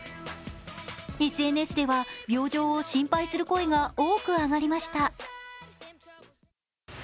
ＳＮＳでは病状を心配する声が多く上がりました。